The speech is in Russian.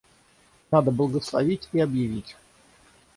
Надо благословить и объявить.